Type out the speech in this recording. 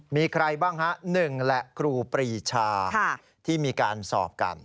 มีใครบ้างฮะ๑แหละครูปรีชาที่มีการสอบกัน